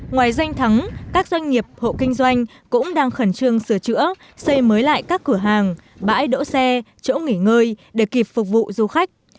ngoài danh thắng các doanh nghiệp hộ kinh doanh cũng đang khẩn trương sửa chữa xây mới lại các cửa hàng bãi đỗ xe chỗ nghỉ ngơi để kịp phục vụ du khách